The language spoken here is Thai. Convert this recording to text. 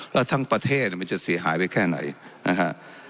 แล้วทั้งประเทศมันจะเสียหายไปแค่ไหนนะฮะ